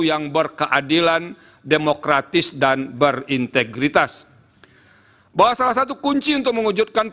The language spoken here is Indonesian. yang berkeadilan demokratis dan berintegritas